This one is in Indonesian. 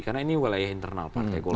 karena ini wilayah internal partai golkar